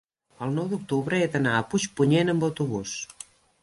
El nou d'octubre he d'anar a Puigpunyent amb autobús.